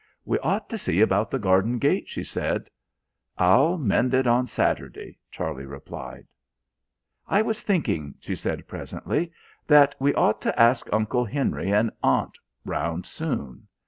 "We ought to see about the garden gate," she said. "I'll mend it on Saturday," Charlie replied. "I was thinking," she said presently, "that we ought to ask Uncle Henry and Aunt round soon.